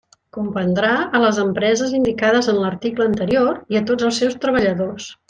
Comprendrà a les empreses indicades en l'article anterior i a tots els seus treballadors.